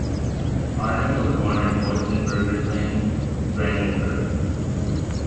Arnim was born in Boitzenburger Land, Brandenburg.